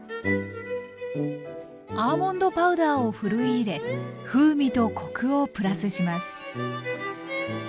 アーモンドパウダーをふるい入れ風味とコクをプラスします。